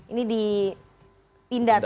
ini di pindad